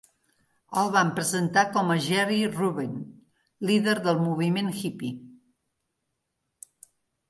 El van presentar com a Jerry Rubin, líder del moviment Yippie.